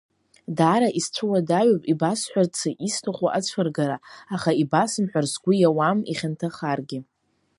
Даара исцәуадаҩуп ибасҳәарцы исҭаху ацәы-ргара, аха ибасымҳәар сгәы иауам ихьанҭа-харгьы.